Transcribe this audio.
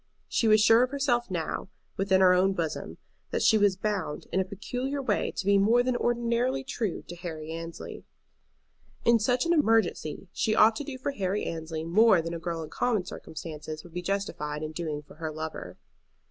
She was sure of herself now, within her own bosom, that she was bound in a peculiar way to be more than ordinarily true to Harry Annesley. In such an emergency she ought to do for Harry Annesley more than a girl in common circumstances would be justified in doing for her lover.